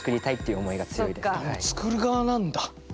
もう作る側なんだ。